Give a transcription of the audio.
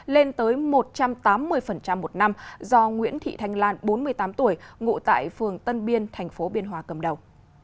lên tới một trăm tám mươi một năm do nguyễn thị thanh lan bốn mươi tám tuổi ngụ tại phường tân biên tp biên hòa cầm đầu